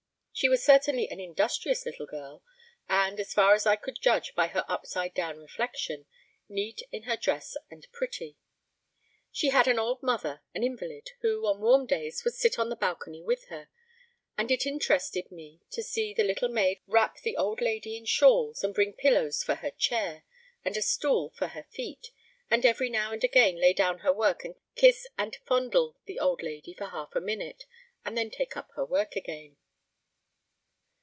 She was certainly an industrious little girl, and, as far as I could judge by her upside down reflection, neat in her dress and pretty. She had an old mother, an invalid, who, on warm days, would sit on the balcony with her, and it interested me to see the little maid wrap the old lady in shawls, and bring pillows for her chair, and a stool for her feet, and every now and again lay down her work and kiss and fondle the old lady for half a minute, and then take up her work again.